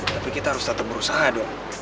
tapi kita harus tetap berusaha dong